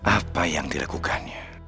apa yang diregukannya